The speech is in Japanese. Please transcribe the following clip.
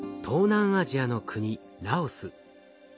東南アジアの国ラオス。